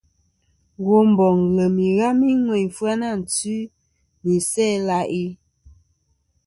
Womboŋ lem ighami ŋweyn Fyanantwi, nɨ Isæ-ila'i.